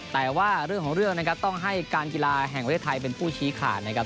แต่ว่าเรื่องของเรื่องนะครับต้องให้การกีฬาแห่งประเทศไทยเป็นผู้ชี้ขาดนะครับ